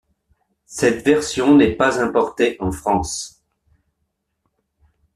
Cette version n'est pas importée en France.